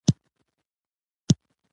ملالۍ به بیا ناره کړې وه.